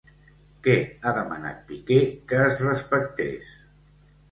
Què ha demanat Piqué que es respectés?